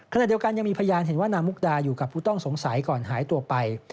ขณะเดียวกันยังมีพยานเห็นว่านางมุกดาอยู่กับผู้ต้องสงสัยก่อนหายตัวไป